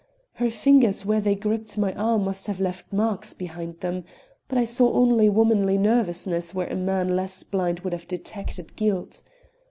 Her fingers where they gripped my arm must have left marks behind them. But I saw only womanly nervousness where a man less blind would have detected guilt.